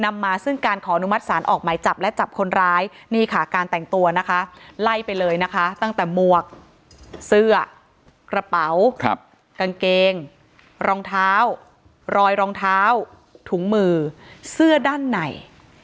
มาซึ่งการขอนุมัติศาลออกหมายจับและจับคนร้ายนี่ค่ะการแต่งตัวนะคะไล่ไปเลยนะคะตั้งแต่หมวกเสื้อกระเป๋ากางเกงรองเท้ารอยรองเท้าถุงมือเสื้อด้านใน